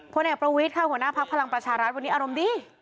พณธ์ประวิทธ์ค่ะหัวหน้ากามภาคพลังประชารักษณ์วันนี้อารมณ์ดี